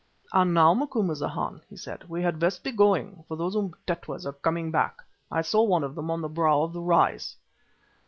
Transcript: "And now, Macumazahn," he said, "we had best be going, for those Umtetwas are coming back. I saw one of them on the brow of the rise."